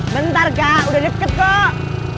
bentar kak udah deket kok